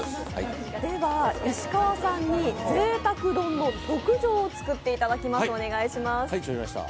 では石川さんにぜいたく丼の特上を作っていただきます。